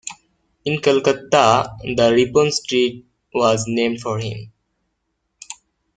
In Calcutta, the Ripon Street was named for him.